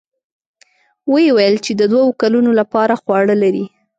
ويې ويل چې د دوو کلونو له پاره خواړه لري.